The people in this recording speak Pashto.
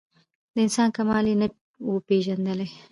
د انسان کمال یې نه وو پېژندلی